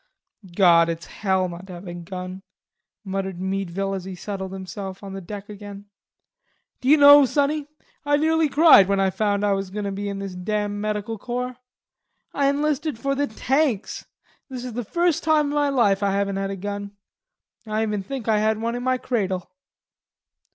"God, it's hell not to have a gun," muttered Meadville as he settled himself on the deck again. "D'ye know, sonny, I nearly cried when I found I was going to be in this damn medical corps? I enlisted for the tanks. This is the first time in my life I haven't had a gun. I even think I had one in my cradle."